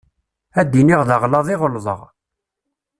Ad d-iniɣ d aɣlaḍ i ɣelḍeɣ.